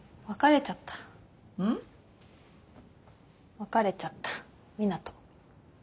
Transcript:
別れちゃった湊斗。